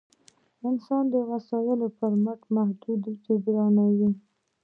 انسان د وسایلو پر مټ محدودیت جبرانوي.